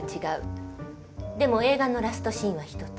でも映画のラストシーンは１つ。